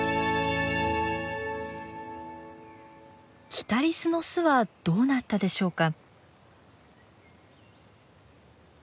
キタリスの巣はどうなったでしょうか。